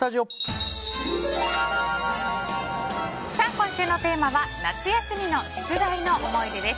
今週のテーマは夏休みの宿題の思い出です。